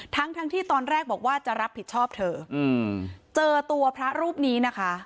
ทั้งทั้งที่ตอนแรกบอกว่าจะรับผิดชอบเธออืมเจอตัวพระรูปนี้นะคะ